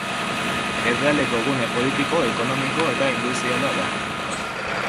Herrialdeko gune politiko, ekonomiko eta industriala da.